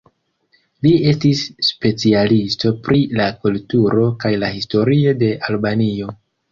Li estis specialisto pri la kulturo kaj la historio de Albanio.